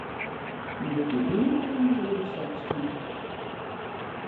Men wurdt mar ien kear yn it libben sechstjin.